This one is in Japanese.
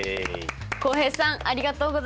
浩平さんありがとうございます。